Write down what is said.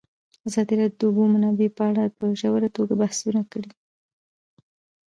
ازادي راډیو د د اوبو منابع په اړه په ژوره توګه بحثونه کړي.